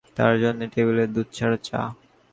তাঁর জন্যে টেবিলে দুধছাড়া চা।